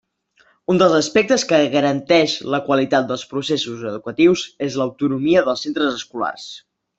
Un dels aspectes que garanteix la qualitat dels processos educatius és l'autonomia dels centres escolars.